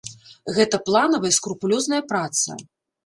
Гэта планавая, скрупулёзная праца.